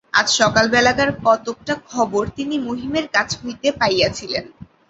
আজ সকালবেলাকার কতকটা খবর তিনি মহিমের কাছ হইতে পাইয়াছিলেন।